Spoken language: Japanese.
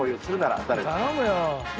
頼むよ。